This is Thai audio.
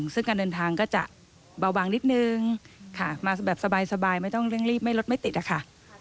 ซึ่งการเดินทางก็จะเบาบางนิดนึงค่ะมาแบบสบายไม่ต้องเร่งรีบไม่รถไม่ติดอะค่ะ